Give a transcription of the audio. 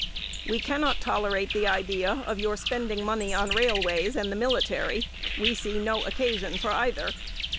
"We cannot tolerate the idea of your spending money on railways and the military. We see no occasion for either.